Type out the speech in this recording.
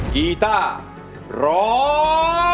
กีต้าร้อง